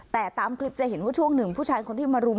แต่ตามคลิปจะเห็นว่าช่วงหนึ่งผู้ชายคนที่มารุม